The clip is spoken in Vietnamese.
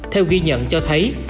theo ghi nhận cho thấy